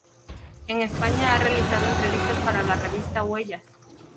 En España ha realizado entrevistas para la Revista Huellas.